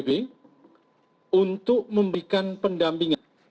bnpb untuk memberikan pendampingan